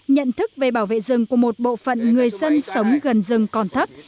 nhận thức về bảo vệ rừng của một bộ phận người dân sống gần rừng còn thấp